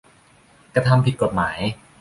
กระทำผิดกฎหมาย